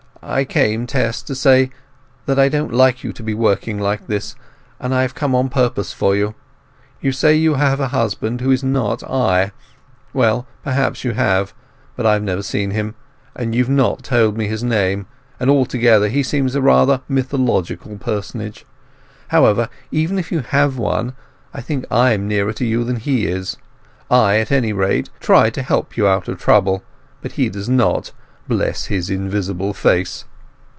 I came Tess, to say that I don't like you to be working like this, and I have come on purpose for you. You say you have a husband who is not I. Well, perhaps you have; but I've never seen him, and you've not told me his name; and altogether he seems rather a mythological personage. However, even if you have one, I think I am nearer to you than he is. I, at any rate, try to help you out of trouble, but he does not, bless his invisible face!